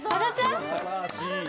すばらしい。